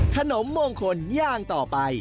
ขนมมงคลย่างต่อไป